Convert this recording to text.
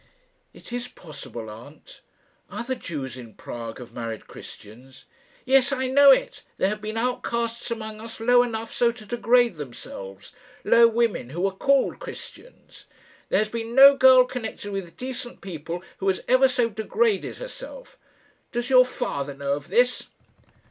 "It is possible, aunt. Other Jews in Prague have married Christians." "Yes, I know it. There have been outcasts among us low enough so to degrade themselves low women who were called Christians. There has been no girl connected with decent people who has ever so degraded herself. Does your father know of this?"